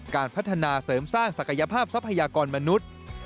การพัฒนาเสริมสร้างศักยภาพทรัพยากรมนุษย์